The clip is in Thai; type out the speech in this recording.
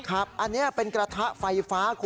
อันนี้เป็นกระทะไฟฟ้าคุณ